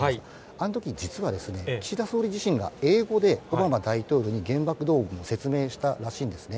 あのとき実はですね、岸田総理自身が英語でオバマ大統領に原爆ドームの説明をしたらしいんですね。